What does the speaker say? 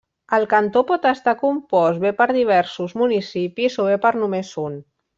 El cantó pot estar compost bé per diversos municipis, o bé per només un.